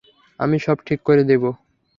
আমি সব ঠিক করে দিব।